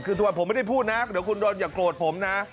คือทุกวันผมไม่ได้พูดนะเดี๋ยวคุณโดนอย่าโกรธผมนะ